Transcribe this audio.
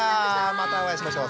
またお会いしましょう。